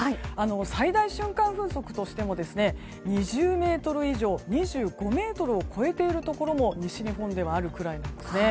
最大瞬間風速としても２０メートル以上２５メートルを超えているとこも西日本ではあるくらいなんですね。